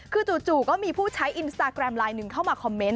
คือจู่ก็มีผู้ใช้อินสตาแกรมไลน์หนึ่งเข้ามาคอมเมนต